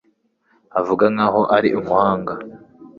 avuga nkaho ari umuhanga